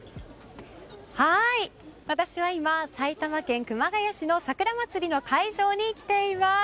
私は今、埼玉県熊谷市のさくら祭の会場に来ています。